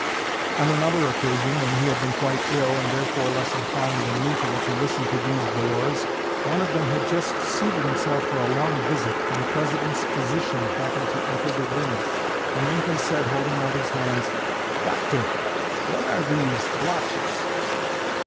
On another occasion, when he had been quite ill, and therefore less inclined than usual to listen to these bores, one of them had just seated himself for a long visit, when the President's physician happened to enter the room, and Lincoln said, holding out his hands, "Doctor, what are these blotches?"